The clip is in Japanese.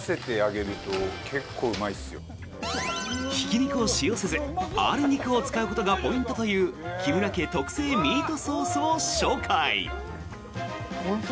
ひき肉を使用せずある肉を使うことがポイントという木村家特製ミートソースを紹介。